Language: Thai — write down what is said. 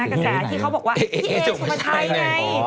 กระแสที่เขาบอกว่าพี่เอ๋ชมไทยไง